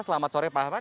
selamat sore pak ahmad